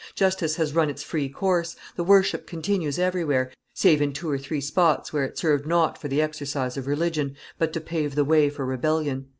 Justice has run its free course, the worship continues everywhere, save in two or three spots where it served not for the exercise of religion, but to pave the way for rebellion.